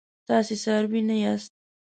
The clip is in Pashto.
تاسي څاروي نه یاست.